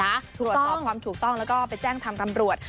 หรือว่าเทียงได้ซากมีคุณกลัวสอบความถูกต้องและก็ไปแจ้งทำตำรวจ